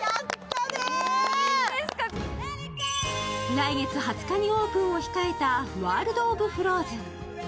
来月２０日にオープンを控えた「ワールド・オブ・フローズン」。